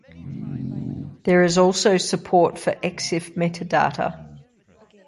There is also support for Exif metadata.